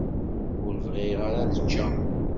Ur bɣiɣ ara ad ččeɣ.